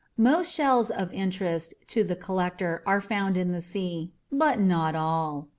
Most shells of interest to the collector are found in the sea but not all.